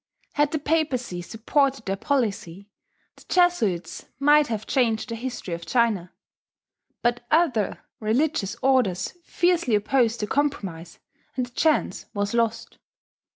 Had the Papacy supported their policy, the Jesuits might have changed the history of China; but other religious orders fiercely opposed the compromise, and the chance was lost.